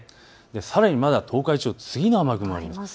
さらに東海地方、次の雨雲があります。